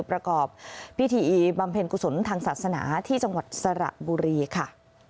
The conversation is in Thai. ประกอบพิธีบำเพ็ญกุศลทางศาสนาที่จังหวัดสระบุรีค่ะ